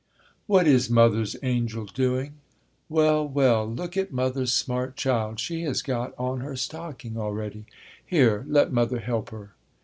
"What is mother's angel doing? Well, well, look at Mother's smart child, she has got on her stocking already, here, let mother help her."